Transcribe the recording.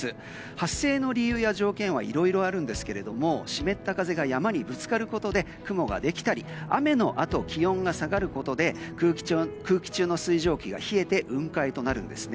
発生の理由や条件はいろいろあるんですけれども湿った風が山にぶつかることで雲ができたり雨のあと、気温が下がることで空気中の水蒸気が冷えて雲海となるんですね。